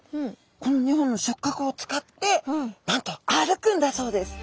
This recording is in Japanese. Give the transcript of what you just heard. この２本の触角を使ってなんと歩くんだそうです。